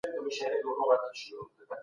سیاستوال به په ټولنه کي عدالت تامین کړي.